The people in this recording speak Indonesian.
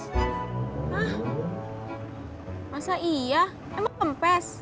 nah masa iya emang kempes